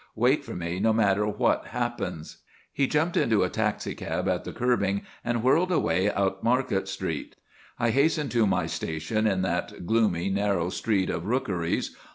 Wait for me no matter what happens." He jumped into a taxicab at the curbing and whirled away out Market Street. I hastened to my station, in that gloomy, narrow street of rookeries.